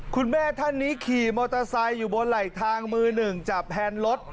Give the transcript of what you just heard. คุณแม่ท่านนี้ขี่มอเตอร์ไซค์อยู่บนไหลทางมือหนึ่งจับแฮนรถ